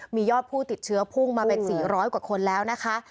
มียอดผู้ติดเชื้อพุ่งมาเป็น๔๐๐กว่าคนแล้วนะคะ